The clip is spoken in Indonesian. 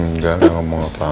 enggak aku mau ngotak